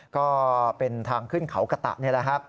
ก็เป็นทางขึ้นเขากะตะนี่แหละครับ